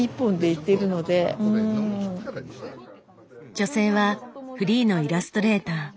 女性はフリーのイラストレーター。